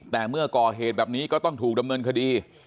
แต่เมื่อก่อเหตุแบบนี้ก็ต้องถูกดำเนินคดี